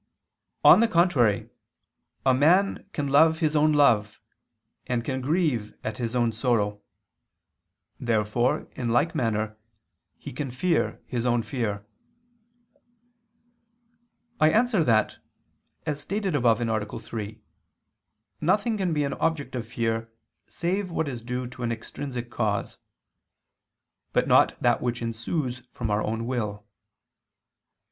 On the contrary, A man can love his own love, and can grieve at his own sorrow. Therefore, in like manner, he can fear his own fear. I answer that, As stated above (A. 3), nothing can be an object of fear, save what is due to an extrinsic cause; but not that which ensues from our own will.